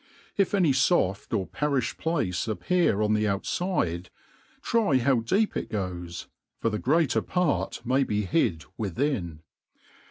If any foft or peri(hed place appear on the outfide, try how deep it goes, for the greater part may be hid within.